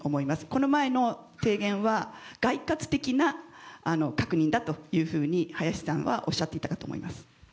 この前の提言は概括的な確認だと、林さんはおっしゃっていたかと思います。